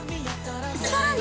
さらに◆